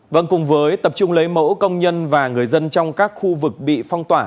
vâng cùng với tập trung lấy mẫu công nhân và người dân trong các khu vực bị phong tỏa